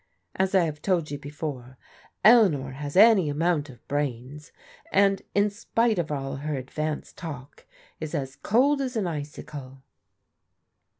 As I have told you before, Eleanor has any amount of brains, and in spite of all her advanced talk is as cold as an icicle."